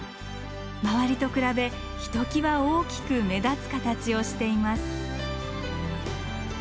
周りと比べひときわ大きく目立つ形をしています。